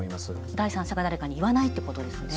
第三者が誰かに言わないってことですよね。